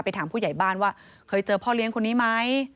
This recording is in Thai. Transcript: ถามผู้ใหญ่บ้านว่าเคยเจอพ่อเลี้ยงคนนี้ไหม